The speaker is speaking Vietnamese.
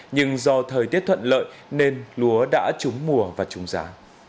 nhưng do thời tiết thuận lợi nên lúa đã trúng mùa và trúng giá